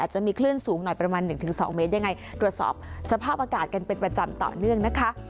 จะมีคลื่นสูงหน่อยประมาณ๑๒เมตรยังไงตรวจสอบสภาพอากาศกันเป็นประจำต่อเนื่องนะคะ